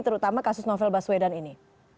terutama kasus novel baswedan ini